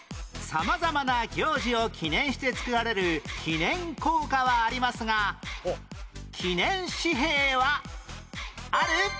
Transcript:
様々な行事を記念して造られる記念硬貨はありますが記念紙幣はある？